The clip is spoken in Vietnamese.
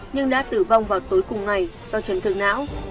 nhưng đã tử vong vào tối cùng ngày do trấn thức não